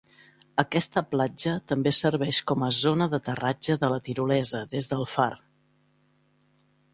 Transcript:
Aquesta platja també serveix com a zona d'aterratge de la tirolesa, des del far.